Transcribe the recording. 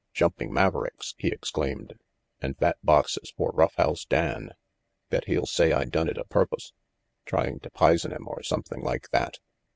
"Jumping Mavericks!" he exclaimed, "and that box's for Rough House Dan. Bet he'll say I done it apurpos. Trying to pisen him, or something like that."